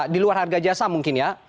di luar harga jasa mungkin ya